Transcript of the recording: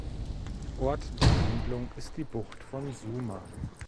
Ort der Handlung ist die Bucht von Suma.